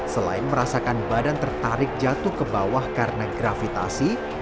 selain merasakan badan tertarik jatuh ke bawah karena gravitasi